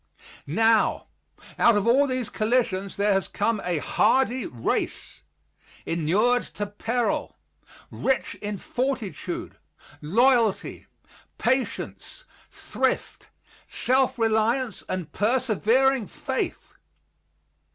Now, out of all these collisions there has come a hardy race, inured to peril, rich in fortitude, loyalty, patience, thrift, self reliance and persevering faith.